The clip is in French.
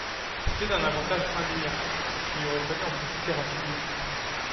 C’était un avantage indéniable, mais il aurait fallu en profiter rapidement.